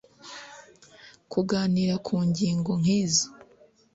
kuganira ku ngingo nk izo